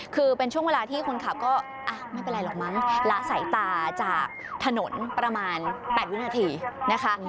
คือเป็นช่วงเวลาที่คนขับก็ไม่เป็นไรหรอกมั้งละสายตาจากถนนประมาณ๘วินาทีนะคะ